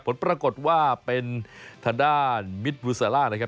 ผลปรากฏว่าเป็นทางด้านมิตรบูซาล่านะครับ